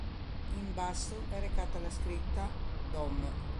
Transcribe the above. In basso è recata la scritta: "Dom.